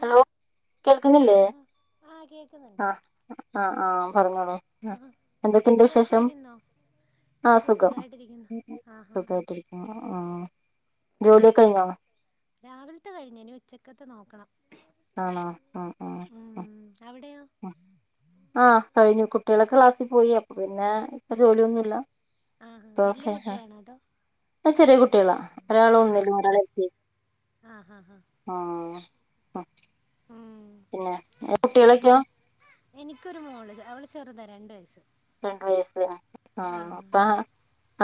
Hello കേൾക്കുന്നില്ലേ ആഹാ ആ കേൾക്കുന്നുണ്ട് ആ ആ ആ പറഞ്ഞോളൂ ആ ആഹാ എന്തൊക്കെയുണ്ട് വിശേഷം? സുഖമായിട്ടിരിക്കുന്നോ ആ ഇവിടെ സുഖം സുഖമായിട്ടിരിക്കുന്നു ആഹാ സുഖായിട്ടിരിക്കുന്നു ആ ജോലിയൊക്കെ കയിഞ്ഞോ രാവിലത്തെ കഴിഞ്ഞ് ഇനി ഉച്ചക്കത്തെ നോക്കണം. ആണോ ആ ആ ആ ഉം അവിടെയോ ആ ആ കഴിഞ്ഞു കുട്ട് ട്ടികളൊക്കെ ക്ലാസ്സി പോയി അപ്പൊ പിന്നെ ഇപ്പ ജോലിയൊന്നുല്ല ആഹ വല്യ കുട്ടികളാണോ അതോ? ആ ചെറിയ കുട്ടികളാ ആഹാ ഒരാളൊന്നിലും ഒരാള് എൽ കെ ആഹാ ഹാ ആ ഉം പിന്നെ എനിക്കൊരു മോള് അവള് ചെറുതാ രണ്ട് വയസ്സ് രണ്ട് വയസ്സ് ആ ആ അപ്പാ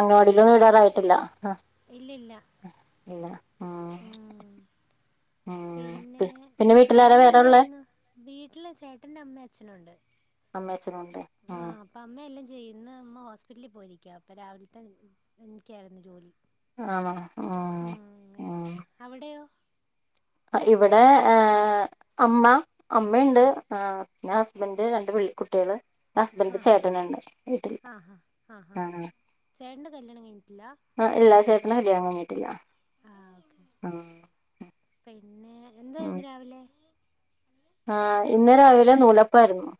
അങ്കാടിലൊന്നു വിടാറായിട്ടില്ല ആ ഇല്ലില്ല അ ഇല്ല ആ ഉം ആ പിന്നെ പിന്നെ വീട്ടിലാര വേറൊള്ളെ വീട്ടില് ചേട്ടന്റെ അമ്മെ അച്ഛനുണ്ട് അമ്മേ അച്ഛനുണ്ട് ആ ആഹ് അപ്പൊ അമ്മ എല്ലാം ചെയ്യും ഇന്ന് അമ്മ ഹോസ്പിറ്റലി പോയിരിക്ക്യാ അപ്പൊ രാവിലത്തെ എനിക്കായിരുന്നു ജോലി ആണോ ആ ഉം ആ അങ്ങനെ അവിടെയോ ആ ഇവിടെ ഏഹ് അമ്മ അമ്മയുണ്ട് ആഹ് ഞാൻ ഹസ്ബന്റ് രണ്ട് പി കുട്ടികള് ഹസ്ബെന്റന്റെ ആഹ് ആഹ് ചേട്ടനുണ്ട് വീട്ടില് ആഹ് ചേട്ടന്റെ കല്യാണം കയിഞ്ഞ് ആ ഇല്ല ചേ ട്ടൻ്റെ കല്യാണം കഴിഞ്ഞിട്ടില്ല ആഹ് പിന്ന ഉം എന്തുവാരുന്നു രാവിലെ ആഹ് ഇന്ന് രാവിലെ നൂലപ്പാരുന്നു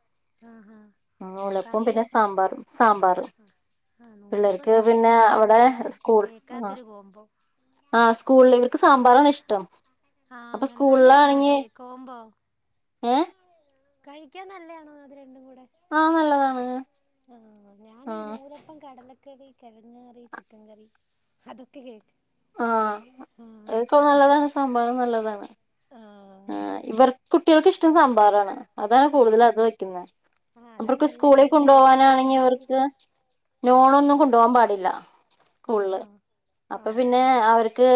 ആഹ് ആഹ് നൂലപ്പോം കറിയോ പിന്നെ സാമ്പാറും സാമ്പാറ് ആഹ് ആഹ് നൂലപ്പം പിള്ളേർക്ക് പിന്നെ സാമ്പാറും അവിടെ വേ സ്കൂൾ ആഹ് കേക്കാത്തൊരു കോംബോ ആഹ് സ്കൂളി ഇവർ [unintelligible] സാമ്പാറാണ് ഇഷ്ടം അപ്പ അങ്ങനെ നല്ലയാണോ ടേ സ്കൂളിലാണെങ്കി ആഹ് കോംബോ ഏഹ് കഴിക്കാൻ നല്ലയാണോ അത് രണ്ടും കൂടി ആ നല്ലതാണ് ആഹ് ഞാനീ ആഹ് നൂലപ്പം കടല ല കറി, കിഴങ് കറി, ചിക്കൻ കറി അതൊക്കെ കേ ആഹ് അതക്ക നല്ലതാണ് സാമ്പാറും നല്ലതാണ് ആഹ് ഇവർ കുട്ടികൾക്ക് ഇഷ്ടം സാമ്പാറാണ്. അതാണ് കൂടുതൽ ആഹ് അത് വെക്കുന്നെ ആഹ് അതാ അവർക്ക് നല്ലേ സ്കൂളിൽ പുള്ളി കഴിക്കുന്ന എന്താ കൊണ്ടപോകാനാണെങ്കിൽ നോക്കി അവർക്ക് നോണൊന്നും ആഹ് കൊണ്ടുപോകാൻ പാടില്ല ആഹ് സ്കൂളില് ആഹ് അപ്പ ആഹ് പിന്നെ അവർക്ക്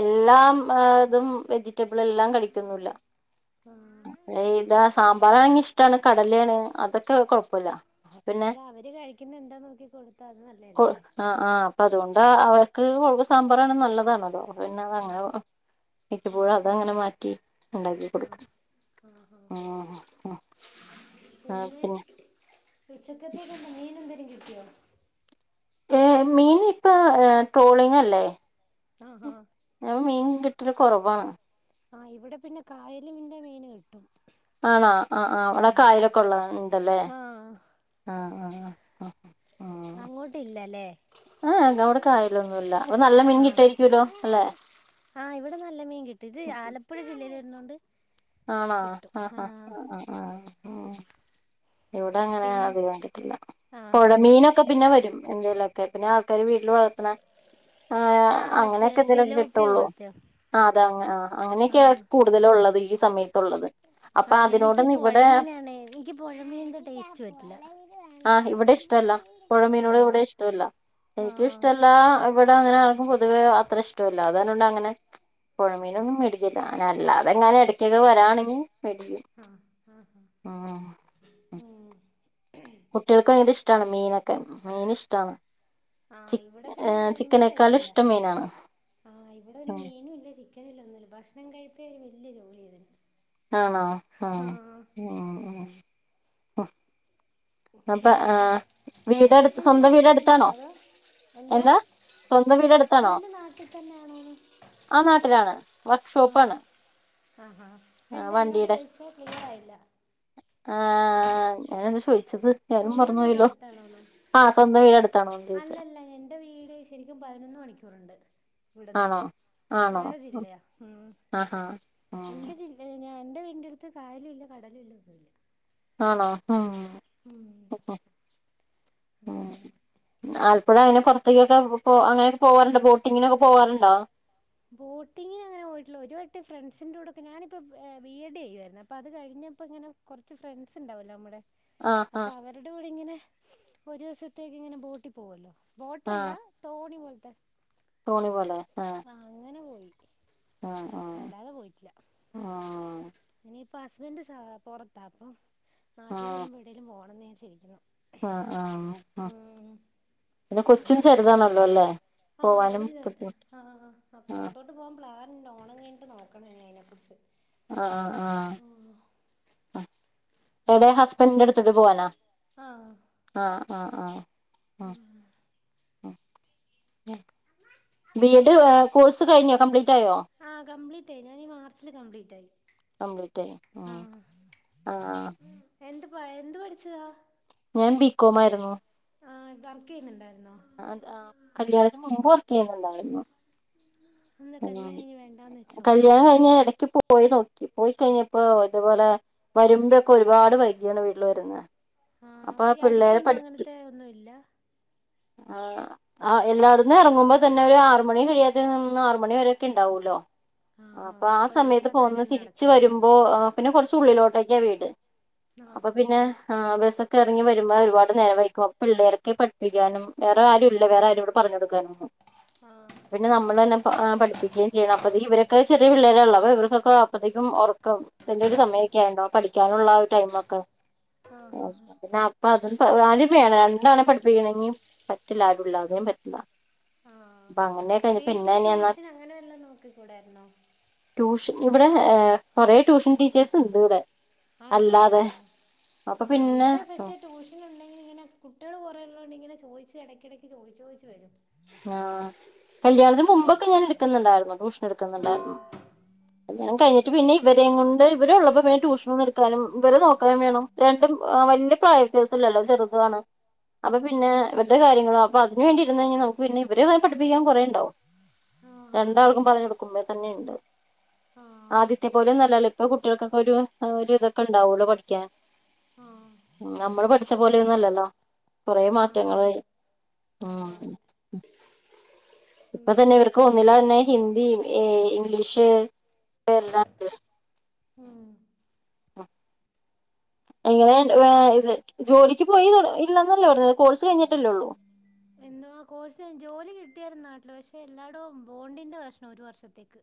എല്ലാം ഏഹ് അതും വെജിറ്റബിൾ എല്ലാം കഴിക്കും ന്നൂല്ല ആഹ് ഇതാ സാമ്പാറാണെങ്കി ഇഷ്ടാണ് കടലേണ് അതൊക്കെ കൊഴപ്പില്ല അതെ അവര് കഴിക്കുന്ന എന്താ നോക്കി കൊടുത്താ അത് നല്ലേല്ലേ? ആഹ് ആഹ് അപ്പൊ അതുകൊണ്ട് അവർക്ക് സാമ്പാറാണ് നല്ലതാണല്ലോ അവർ പിന്ന അതങ്ങനെ ആഹ് മിക്കപ്പോഴും ആഹ് അതങ്ങനെ മാറ്റി ഉണ്ടാക്കി ആഹ് കൊടുക്കും. ആഹ് ഉം ആഹ് പിന്നെ ഉച്ചക്കത്തേക്ക്‌ എന്താ മീൻ എന്തേലും കിട്ടിയോ? ഏഹ് മീൻ ഇപ്പ ട്രോളിങ് അല്ലേ ആഹ് ആഹ് ഞാൻ മീൻ കിട്ടല് കൊറവാണ് ആഹ് ഇവിടെ പിന്നെ കായലിന്റെ മീന് കിട്ടും ആണോ ആഹ് ആഹ് അവിടെ ഉം കായലൊക്കെ ഒള്ള ഇണ്ടല്ലേ ആഹ് ആഹ് ആ ആ ആ അങ്ങോട്ടില്ലല്ലേ ആ അവിടെ കായലൊന്നുല്ല അപ്പൊ നല്ല മീൻ ആ കിട്ടായിരിക്കുവല്ലോ അല്ലെ ആ ഇവിടെ നല്ല മീൻ കിട്ട് ഇത് ആലപ്പുഴ ജില്ലയിലെ ഇന്നുണ്ട് ആണോ അ അ അ അ ആ ഹ് ഇവിടെ അങ്ങനെ പിൻ അത് കണ്ടിട്ടില്ല ആഹ് പൊയ ആഹ് മീനൊക്കെ പിന്നെ വരും എന്തെല കെ പിന്നെ ആൾക്കാര് വീട്ടില് വളർത്ത്ണ ആ ആഹ് മറ്റേ അങ്ങനെയൊക്കെ എന്തെലൊക്കെ സിലോപ്പിയ കിട്ടുള്ളൂ പോലത്തെയോ ആ അത എ ആ അങ്ങനെയൊക്കെയ ആഹ് കൂടുതലും ഉള്ളത് ഈ സമയത്തുള്ളത് അപ്പൊ ആഹ് എനിക്ക് അതിനോടൊന്നും ഇവിടെ പുഴമീനാണ് എനിക്ക് പുഴമീനിന്റെ ടേസ്റ്റ് പറ്റില്ല ആ ഇവിടെ ഇഷ്ടല്ല പൊയമീനോട് ആഹ് ഇവിടെ ഇഷ്ടല്ല എനിക്കും ആഹ് ഇഷ്ടല്ലാ ഇവിടെ അങ്ങനെ ആക്കും പൊതുവേ ആ ത്ര ഇഷ്ടല്ല അർഞ്ഞോണ്ട് അങ്ങനെ പൊയമീനൊന്നും മേടിക്കല്ല ഞ അല്ലാതെങ്ങനെട് മറ്റേദിൻ വെലയാണെങ്കി വരിയെ ആഹ് ആഹ് ആഹ് [unintelligible] കുട്ടികൾക്ക് ഭയങ്കര ഇഷ്ടമാണ് മീനൊക്കെ മീന് ഇഷ്ടാണ് ചി ആഹ് ഇവിടെ പിന്നെ അതൊന്നും ചിക്കനേക്കാളും കഴിക്കില്ല ഇഷ്ടം മീനാണ് ആ ഇവിടെ ന്നെ മീനും ഇല്ലതി ക്കനുംല ഒന്നുല്ല ഭക്ഷണം കഴിപ്പേര് വല്യ ജോലിയാ ആണോ ആ ആഹ് ഉം ഉം ഹ വീടടുത്ത് ഹസ്ബൻഡ് സ്വന്തം നാട്ടി വീടടുത്താണോ തന്നെയണോ അതോ എന്തോ എന്താ സ്വന്തം വീടടുത്താണോ ഹസ്ബൻഡ് നാട്ടി തന്നെയാണോന്ന് ആ നാട്ടിലാണ് ആ വർക്ക്ഷോപ്പാണ് ആഹ എന്തെ എന്നോട് വണ്ടിയുടെ ചോയിച്ചേ ക്ലിയറായില്ല ആ ഞാനത് ചോയി ച്ചത് ഞാനും സ്വന്തം വീട് മറന്നുപോയല്ലോ അടുത്താണോന്ന് ആ സ്വന്തം വീട് അടു അല്ലല്ല എന്റെ വീട് ശരിക്കും പൈനൊന്ന് മണിക്കൂറ്ണ്ട് ആണോ ആണോ ഹു ആ ഹ എന്റെ ജില്ലഴിഞ്ഞ എന്റെ വീടിന്റെ അടുത്ത് കായലുല്ല കടലുല്ല ഒന്നുല്ല ആണോ ഉം അങ്ങനെ ആലപ്പുഴ അയിന് പുറത്തേക്കൊക്കെ പോ അങ്ങനെ പോവാറുണ്ട് ബോട്ടിങ്ങിനൊക്കെ പോവാറുണ്ടോ? ബോട്ടിങ്ങിന് അങ്ങനെ പോയിട്ടുള്ളു ഒരുവട്ടം ഫ്രണ്ട്സിന്റെ കൂടൊക്കെ ഞാനിപ്പം എ ബി എഡ് ചെയ്യാരുന്നു അപ്പ അത് കഴിഞ്ഞപ്പോ ഇങ്ങനെ കുറച്ച് ഫ്രണ്ട്സ് ഉണ്ടാവല്ലോ നമ്മുടെ ആഹ് അപ്പൊ ആഹ് അവരുടെ കൂടെ ഇങ്ങനെ ഒരു വസത്തേക്ക് ഇങ്ങനെ ബോട്ടിൽ പോവല്ലോ ബോട്ടല്ല ആഹ് തോണി പോൽ [inaudible] തോണി പോലെ ആ ആ അങ്ങനെ പോയി ആഹ് അല്ലാതെ പോയിട്ടില്ല ആഹ് ഇനിയിപ്പൊ ഹസ്ബൻഡ് പുറത്താ അപ്പൊ നാട്ടിൽ വരുമ്പോ എവിടേലും പോണുന്നേ [unintelligible] ആ ആ ആ പിന്നെ കൊ ച്ചും ചെറുതാണല്ലോ അല്ലേ ആ അവള് പോവാനും ചെറുതാ ബുദ്ധിമുട്ട് ആ ആ ആഹ് പുറത്തോട്ട് പോകാൻ പ്ലാൻ ഓണം കഴിഞ്ഞിട്ട് നോക്കണം ഇനി അതിനെ കുറിച്ച് ആ ആ അവിടെ ഹസ്ബൻഡിന്റെ അടുത്തോട്ട് പോവാനാ ആ ആ ആ ആ അ ബി എഡ് കോഴ്സ് കഴിഞ്ഞോ കംപ്ലീറ്റ് ആയോ ആഹ് കംപ്ലീറ്റ് ആയി ഞാൻ ഈ മാർച്ചില് കംപ്ലീറ്റ് ആയി കംപ്ലീറ്റ് ആഴി ഉം ആഹ് ആ പഴ എന്തു പഠിച്ചതാ ഞാൻ ബികോം ആയിരുന്നു ആ വർക്ക് ചെയ്യുന്നുണ്ടായിരുന്നോ അത് കല്യാണത്തിന് മുമ്പ് വർക്ക് ചെയ്യുന്നുണ്ടായിരുന്നു എന്താ കല്യാണം ഉം കഴിഞ്ഞ് വേണ്ടാന്ന് വെച്ചോ കല്യാണം കഴിഞ്ഞ് ഞാൻ ഇടക്ക് ഇടക്ക് പോയി നോക്കി പോയി കഴിഞ്ഞപ്പോ ഇതേപോലെ വരുമ്പൊക്കെ ഒരുപാട് വൈകിയാണ് വീട്ടില് വരുന്നത് ആ അപ്പൊ ഈ പിള്ളേരെ അടുത്തൊന്നും അങ്ങനത്തെ ഒന്നും ഇല്ല ആ എല്ലായിടന്നും ഇറങ്ങുമ്പോ തന്നെ ഒരു ആറുമണി കഴിയാത നി മണി വരൊക്കെണ്ടാവൂല്ലോ ആഹ് അപ്പൊ ആഹ് ആ സമയത്ത് വീട്ടിലെ പോന്നത് കാര്യമൊന്നും തിരിച്ച് നടക്കില്ലല്ലേ വരുമ്പോ പിന്നെ കുറച്ച് ഉള്ളിലോട്ടൊക്കെയാ വീട് അപ്പൊ ആഹ് ആഹ് പിന്നെ ആ ബസ്സ്‌ ക്കെ ഇറങ്ങി വരുമ്പോ ഒരുപാട്നേരം വയ്കും പിള്ളേരെക്കെ പഠിപ്പിക്കാനും വേറെ ആരും ഇല്ല വേറെ ആരും ഇവിടെ പറഞ്ഞ് കൊടുക്കാനും ആഹ് പിന്നെ നമ്മള് തന്നെ പഠിപ്പിക്കേം ചെയ്യണം അപ്പഴത്തേക്ക് ഇവരൊക്കെ ചെറിയ പിള്ളേരാണല്ലോ അപ്പ ഇവർക്കൊക്കെ അപ്പഴേക്കും ഉറക്കത്തിന്റെ ഒരു സമയമൊക്കെയായിട്ടുണ്ടാവും പഠിക്കാനുള്ള ഒരു ടൈം ഒക്കെ ആഹ് ആഹ് പിന്ന അപ്പ അത് രണ്ടാളേം പഠിപ്പിക്കണെങ്കിൽ പറ്റില്ല ആരുള്ളതേയും പറ്റില്ല ആഹ് അങ്ങനെയക്കെ കഴിഞ്ഞ് പിന്നെ വീട്ടില് ഞാ ട്യൂഷൻ അങ്ങനെ വല്ലോ നോക്കിക്കൂടാരുന്നോ ടൂഷൻ ഇവിടെ ഏ കൊറെ ട്യൂഷൻ ടീച്ചേഴ്സ് ണ്ട് ഇവിടെ ആണോ അല്ലാതെ ആ അപ്പൊ ആ് പിന്നെ ഇവിടെ പക്ഷെ ട്യൂഷൻ ഉണ്ടെങ്കിൽ ഇങ്ങനെ കുട്ടികള് കുറെേള്ളതണ്ട് ഇങ്ങനെ ചോദി ഇടക്കിടക്ക് ചോദു ചോദു വരും ആഹ കല്ല്യാണത്തിന് ഞാൻ പിന്നെ മുമ്പൊക്കെ ഞാൻ എടുക്കുന്നുണ്ടായിരുന്നു ട്യൂഷൻ എടുക്കുന്നുണ്ടായിരുന്നു കല്യാണം കഴിഞ്ഞി പിന്നെ ഇവരെയ കൊണ്ട് ഇവര ഉള്ളപ്പോ പിന്നെ ട്യൂഷനും എടുക്കാനും ഇവരെ നോക്കാനും വേണം രണ്ടും വലിയ പ്രായവ്യത്യാസം ഇല്ലല്ലോ ചെറുതാണ് അപ്പൊ ആഹ് ആഹ് പിന്നെ ഇവരുടെ കാര്യങ്ങളോ അപ്പ അന് വേണ്ടിുന്നാഞ്ഞ നമുക് പിന്നെ ഇവരെ പഠിപ്പിക്കാൻ കൊറേ ണ്ടാവും ആഹ് രണ്ടാൾക്കും പറഞ്ഞ കൊടുക്കുമ്പേ തന്നെുണ്ട് ആഹ് ആദ്യത്തെ പോലെ നല്ലല്ലോ ഇപ്പൊ കുട്ടികൾക്കൊക്കെ ഒരു ഇതൊക്കെ ഉണ്ടാവല്ലോ പഠിക്കാൻ ആഹ നമ്മള് പഠിച്ച പോല ഒന്നുംല്ലല്ലോ കൊറെ മാറ്റങ്ങൾ ആഹ് ഉ അതെ അതെ ഉ ഇപ്പൊ തന്നെ ഉം ഇവർക്ക് ഒന്നില്ല തന്നെ ഹിന്ദി ഏ ഇംഗ്ലീഷ് ഉം എങ്ങനെ ഇ ജോലിക്ക് പോയി ഇല്ലന്നല്ലോ പറഞ്ഞ കോഴ്സ് കഴിഞ്ഞിട്ടല്ലോള്ളു എന്നോ ആ കോഴ്സ് ജോലി കിട്ടിയര നാട്ടില് പക്ഷെ എല്ലാടും ബോണ്ടിന്റെ പ്രശ്നം ഒരു വർഷത്തേക്ക്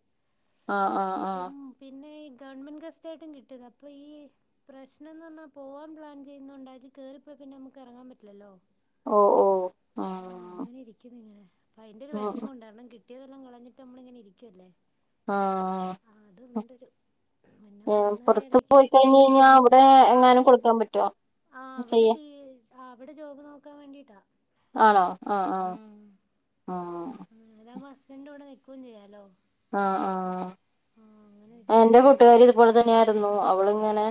ആ ആ ആ അപ്പം പിന്നെ ഗവൺമെന്റ് ഗസ്റ്റായിട്ടും കിട്ടിയത് അപ്പൊ ഈ പ്രശ്നം എന്ന് പറഞ്ഞാൽ പോവാൻ പ്ലാൻ ചെയ്യുന്നണ്ട് അതിത് കയറിപ്പോ പിന്നെ നമുക്ക് ഇറങ്ങാൻ പറ്റില്ലല്ലോ ഓ ഓ ആഹ ആഹ് അങ്ങനെ ഇരിക്കുന്നു ഇങ്ങനെ അപ്പ അതിന്റെ ഒരു വിഷമ ആഹ് ഉണ്ടരണം കട്ടി പറ്റിയതൊം കളഞ്ഞിട്ട് നമ്മളങ്ങനെ ഇരിക്കുവല്ലേ ആ ആഹ് അതുണ്ടൊരു പിന്നെ പോകുന്ന കാര്യം പുറത്ത പോയി ആലോചിക്കുമ്പോൾ കഴിഞ്ഞഞ് കഴിഞ്ഞാ അവിടെ ആഹ് എങ്ങാനും കൊടുക്കാൻ പറ്റോ ചെയ്യ ആ അവിടെ ജോബ് നോക്കാൻ വേണ്ടിട്ടാ ആണോ ആഹ ആഹ ആ രമസ് രണ്ട കവിടെ നിൽക്കുകയും ചെയ്യാലോ ആഹ ആഹ ആഹ് അങ്ങനെ എന്റെ വിചാരിച്ചിട്ടാ കൂട്ടുകാരി ഇതുപോലെ തന്നെയ ആായിരുന്നു ഇള ഇങ്ങനെ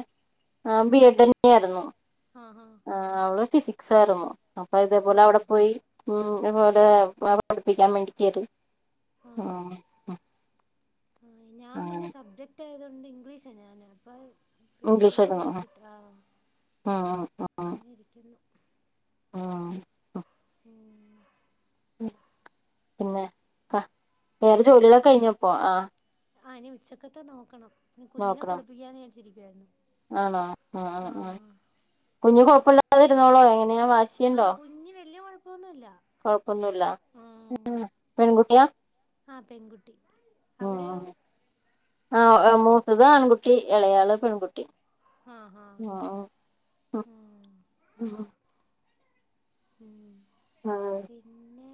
ആ ബിയട് തന്നെയ ആായിരുന്നു ആഹ് ആഹ് ആഹ അവളോ പിസി സറോ അപ്പൊ ഇതേപോലെ ആഹ് ആഹ് അവിടെ പോയി ഉ അതുപോലെ പഠിപ്പിക്കാൻ വേണ്ടി കര് ആഹ ആ ഞാൻ പിന്നെ സബ്ജക്ട് തായതുകൊണ്ട് ഇംഗ്ലീഷ് ഞാന് അപ്പ ഇപ്പ ഇംഗ്ലീഷ് ആയിരുന്നു എവിടേക്കെ കിട്ട ആ ആഹ് അങ്ങനെ ഇരിക്കുന്നു ആ [unintelligible] ഉം പിന്നെ ക വേറെ ജോലികളൊക്കെ കഴിഞ്ഞപ്പോ ആഹ ആന് ഉച്ചക്കത്തെ നോക്കണം നി കുഞ്ഞിനെ നോക്കണം കുളിപ്പിക്കാന്ന് വിചാരിച്ചി എൻ ആണോ ഉം ഉം ഉം കുഞ്ഞു കുഴപ്പില്ലാ അതിരുന്നോളോ എന പിന്ന വാശിണ്ടോ പ്പൊന്നുല്ല കൊഴപ്പൊന്നുല്ല മ്മ് പെൺകുട്ടിയാ ആ പെൺകുട്ടി അവിടെയോ ഉം ആ മൂത്തത് ആൺകുട്ടി ഇളയാള് പെൺകുട് ആഹ ആഹ് ഉം ഉം [unintelligible] പിന്നെ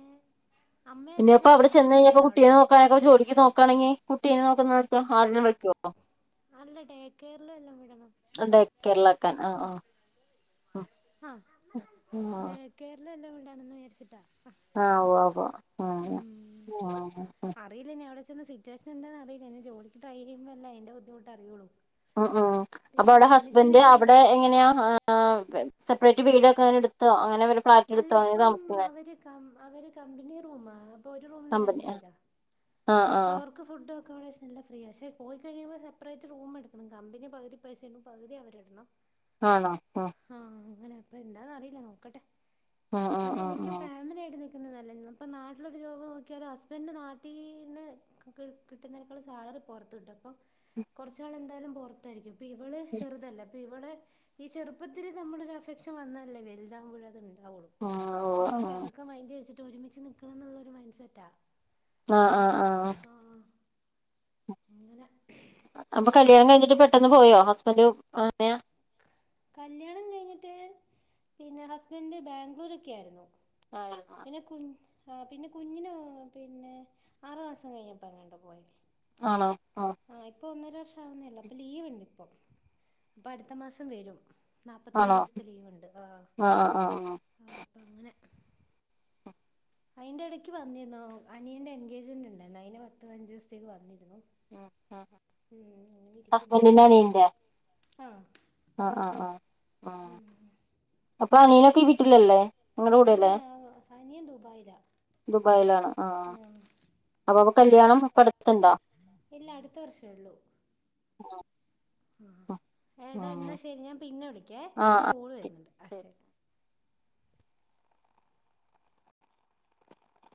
അമ്മയും പിന്നെപ്പൊ അച്ഛനൊക്കെ അവിടെ ചെന്ന് കഴിഞ്ഞപ്പൊ ഏജുള്ളതാണോ കുട്ടീ നെ അവിടെ നോക്കാന ജോക്ക് നോക്ക കാണങ്ങി കുട്ടിനെ കു നോക്കുന്ന അല്ല ഡേ കെയറിലും എല്ലാം വിടണം [unintelligible] ആ ടേക്കേറില് ല്ല ഇ ക്കണന്ന് വിചാരിച്ചിട്ടാ ആ ആഹ ആ ഉവ്വ ഉവ്വ ഉം ഉം അറിയില്ലനി അവിടെ സിറ്റുവേഷൻ എന്താ അറിയില്ല നി ജോലിക്ക് ട്രൈചെയ്യുമ്പഴല്ലെ അയിന്റെ ബുദ്ധിമുട്ടറിയുള്ളൂ ഉ ഉം അപ്പൊ അവിടെ ഹസ്ബന്റ് നിക്കുന്ന അവിടെ എങ്ങനെയാ ആ സെപ്പറേറ്റ് വീടൊക്കെങ്ങനെ എടുത്തോ അങ്ങനെവ അല്ല ഇപ്പം അവര് ക അവര് കമ്പനി റൂമാ അപ്പൊ ഒരു റൂമിന് കമ്പനി രണ്ട്പേരാ ആഹ് അപ്പൊ ആഹ് അവർക്ക് ഫുഡ് അക്കോമഡേഷനെല്ല ഫ്രീയാ അക്ഷെ പോയികഴിയുമ്പോ സെപ്പറേറ്റ് റൂം എടുക്കണം കമ്പനി പകുതി പൈസ ണും പകുതി പൈസ അവരെടണം ആണോ ആഹ അങ്ങനെ അപ്പൊ എന്താന്ന് അറിയില്ല നോക്കട്ടെ ആഹ് പിന്നെ ആഹ് ആഹ് എനിക്കും ആഹ് ഫാമിലിയായിട്ട് നി--ക്ക് ന്നല്ലല്ലോ അപ്പം നാട്ടിലൊരു ജോബ് നോക്കിയാൽ ഹസ്ബൻഡ് നാട്ടിൽന്ന് കിട്ട് കിട്ടുന്നതിനേക്കാൾ സാലറി പുറത്തു കിട്ടും അപ്പം കൊർച് നാള് എന്തായാലും പുറത്തായിരിക്കും ഇവള് ചെറ്തല്ലേ ഇവിളെ ഈ ചെറുപ്പത്തില് നമ്മളൊരു അഫെക്ഷൻ വന്നാലല്ലേ വെൽതാവുമ്പോഴത് ഒളു ആഹ് ഓ അപ്പൊ ആഹ് എനിക്ക് അതൊക്കെ മൈന്റ് വെച്ചി ഒരുമിച്ച് നിക്കണന്നുളെളാരു മൈൻ സെറ്റാ ആ ആ ആ അപ്പം ആഹ് അങ്ങനെ അപ്പൊ കല്യാണം കഴിഞ്ഞിട്ട് പെട്ടെന്ന് പോയോ ഹസ്ബൻഡും അനയാ കല്യാണം കഴിഞ്ഞിട്ട് പിന്നെ ഹസ്ബൻഡ് ബാംഗ്ലൂരൊക്കെ ആയിര്ന്നു ആണോ പിന്നെ കുൻ ആ പിന്നെ കുഞ്ഞിനോ പിന്നെ ആറു മാസം കഴിഞ്ഞപ്പ എങ്ങാണ്ടാ പോയെ ആണോ ആ ഇപ്പൊ ഒന്നര ഷാവുന്നേള്ളു അപ്പ ലീവ്ണ്ട് ഇപ്പം അപ്പട്ത്ത മാസം വരും നാൽപ്പത്തഞ്ച് ആണോ ദിവ്സ്ത്തെ ലീവ്ണ്ട് ആ ആഹ് ആഹ് ആഹ് ആ അപ്പ അങ്ങനെ അയ്ന്റെ എടയ്ക്ക് വന്നിന്നോ അനിയന്റെ എൻഗേജ്മെന്റ്ണ്ടായ്ര്ന്നു അയ്ന് പത്ത്പതിനഞ്ചോസത്തേക്ക് വന്നി അ ആ അങ്ങനെ ഇരിക്കുന്നു ഹസ്ബന്റിന്റെ അനിയന്റെ ആ ആ ആ ആ ആ അപ്പൊ അനിയനാെക്കെ ഈ വീട്ടിലല്ലേ നിങ്ങടെ കൂടെയല്ലേ അല്ലല്ല സാനിയൻ ദുബായില ദുബായിലാണ് ആഹ് ഉം അപ്പൊ അപ്പൊ കല്യാണം ഇപ്പടുത്ത്ണ്ടോ ഇല്ല അടുത്ത വർഷെള്ളു ആ ആ ഏടാ ന്നാ ശരി ഞാൻ പിന്നെ വിളിക്കേ ഒരു കോള് വരുന്നുണ്ട് ആ ശരി